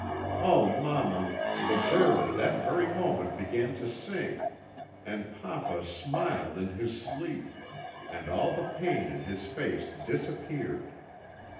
Oh, mamma, the bird at that very moment began to sing, and papa smiled in his sleep, and all the pain in his face disappeared.